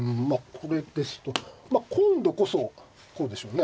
これですとまあ今度こそこうでしょうね。